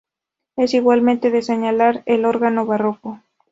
Es igualmente de señalar el órgano barroco.